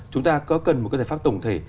chúng ta có cần một giải pháp tổng thể